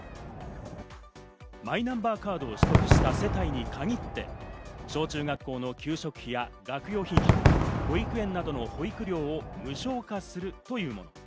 マイナンバーカードを取得した世帯に限って小中学校の給食費や学用品費、保育園などの保育料を無償化するというもの。